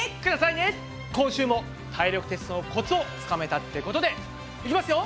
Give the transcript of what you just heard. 今週も体力テストのコツをつかめたってことでいきますよ！